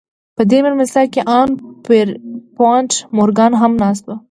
په دې مېلمستیا کې ان پیرپونټ مورګان هم ناست و